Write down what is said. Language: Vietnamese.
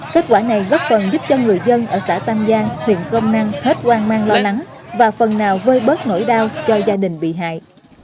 kết quả này góp phần giúp cho người dân ở xã tam giang huyện crom năng hết hoang mang lo lắng và phần nào vơi bớt nỗi đau cho gia đình bị hại